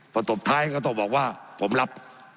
พอตบท้ายก็ต้องบอกว่าผมรับ